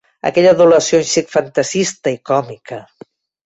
Aquella adulació un xic fantasista i còmica